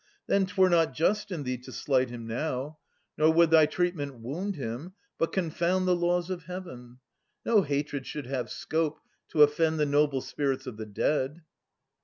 Then 'twere not just in thee to slight him now ; 1343 1371! A ias 99 Nor would thy treatment wound him, but confound The laws of Heaven. No hatred should have scope To offend the noble spirits of the dead.